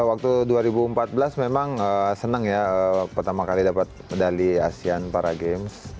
waktu dua ribu empat belas memang senang ya pertama kali dapat medali asean para games